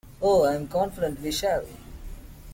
Oh, I am confident we shall.